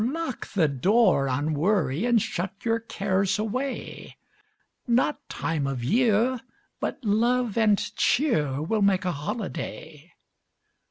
lock the door on worry And shut your cares away, Not time of year, but love and cheer, Will make a holiday.